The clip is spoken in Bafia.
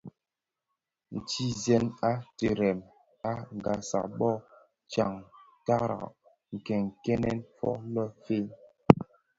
Ntizèn a dhirem a ghasag bō tsantaraň nkènkènèn ko le fe,